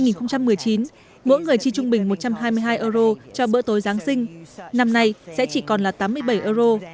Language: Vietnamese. năm hai nghìn một mươi chín mỗi người chi trung bình một trăm hai mươi hai euro cho bữa tối giáng sinh năm nay sẽ chỉ còn là tám mươi bảy euro